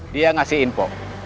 dia ngasih info